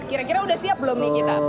kira kira udah siap belum nih kita